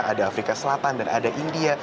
ada afrika selatan dan ada india